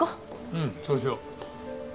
うんそうしよう。